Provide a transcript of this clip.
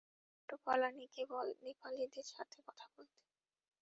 Auto পালানিকে বল, নেপালিদের সাথে কথা বলতে।